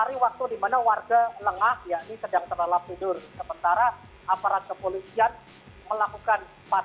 respon warga terhadap hal ini seperti apa